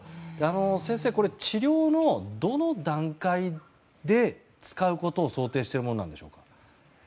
先生、治療のどの段階で使うことを想定しているものなのでしょうか。